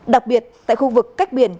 đặc biệt tại khu vực cách biển